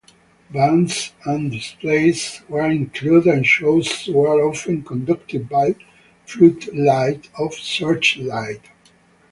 Bands and displays were included and shows were often conducted by floodlight or searchlight.